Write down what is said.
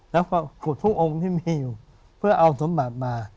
แล้วก็ขุดทุกองค์ที่มีอยู่เพื่อเอาสมบัติมา